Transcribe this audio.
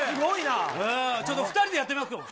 ちょっと２人でやってみましょう。